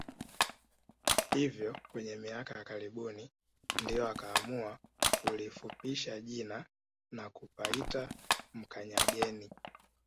Hivyo kwenye miaka ya karibuni ndio wakaamua kulifupisha jina na kupaita Mkanyageni